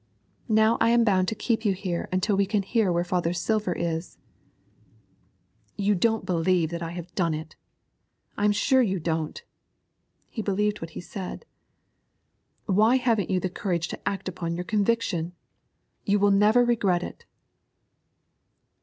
Now I am bound to keep you here until we can hear where father's silver is.' 'You don't believe that I have done it! I am sure you do not' (he believed what he said). 'Why haven't you the courage to act upon your conviction? You will never regret it.'